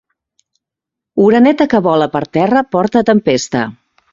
Oreneta que vola per terra porta tempesta.